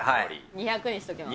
２００にしておきます。